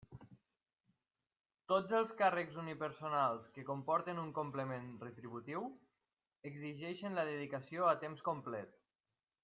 Tots els càrrecs unipersonals que comporten un complement retributiu exigeixen la dedicació a temps complet.